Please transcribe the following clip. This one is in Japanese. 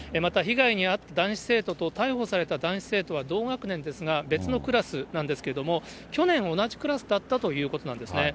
また、被害に遭った男子生徒と逮捕された男子生徒は同学年ですが別のクラスなんですけれども、去年同じクラスだったということなんですね。